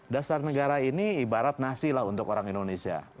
dasar negara ini ibarat nasi lah untuk orang indonesia